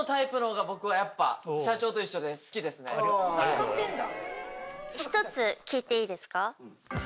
使ってんだ。